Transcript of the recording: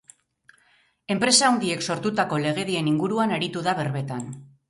Enpresa handiek sortutako legedien inguruan aritu da berbetan.